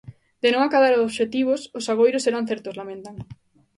De non acadar o obxectivos, os agoiros serán certos, lamentan.